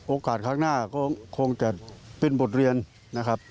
โอกาสข้างหน้าก็คงจะเป็นบทเรียนนะครับ